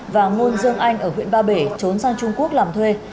và ngôn dương anh ở huyện ba bể trốn sang trung quốc làm thuê